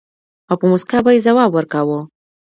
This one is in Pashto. او په مُسکا به يې ځواب ورکاوه.